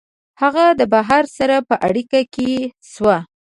هغه د بهر سره په اړیکه کي سو